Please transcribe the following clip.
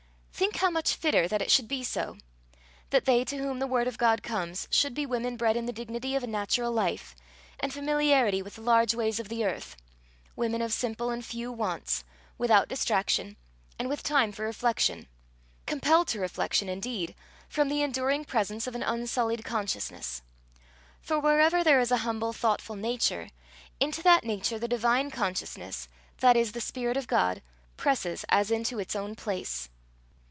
Think how much fitter that it should be so; that they to whom the word of God comes should be women bred in the dignity of a natural life, and familiarity with the large ways of the earth; women of simple and few wants, without distraction, and with time for reflection compelled to reflection, indeed, from the enduring presence of an unsullied consciousness: for wherever there is a humble, thoughtful nature, into that nature the divine consciousness, that is, the Spirit of God, presses as into its own place.